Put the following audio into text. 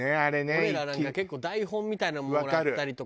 俺らなんか結構台本みたいのもらったりとかさ。